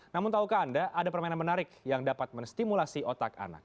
namun tahukah anda ada permainan menarik yang dapat menstimulasi otak anak